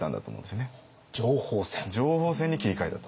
情報戦に切り替えたと。